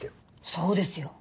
そうですよ。